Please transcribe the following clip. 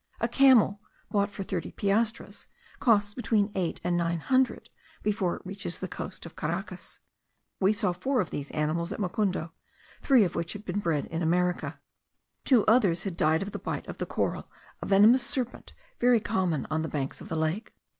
A camel, bought for thirty piastres, costs between eight and nine hundred before it reaches the coast of Caracas. We saw four of these animals at Mocundo; three of which had been bred in America. Two others had died of the bite of the coral, a venomous serpent very common on the banks of the lake.